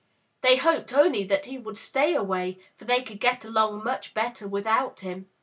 They hoped only that he would stay away, for they could get along much better without him.